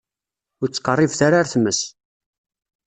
Ur ttqeṛṛibet ara ar tmes.